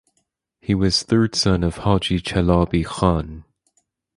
He was third son of Haji Chalabi Khan.